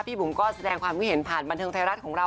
บุ๋มก็แสดงความคิดเห็นผ่านบันเทิงไทยรัฐของเรา